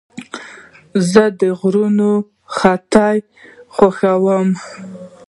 زه د غرونو ختل خوښوم.